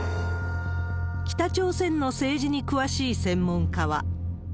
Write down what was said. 北朝鮮の政治に詳しい専門家は。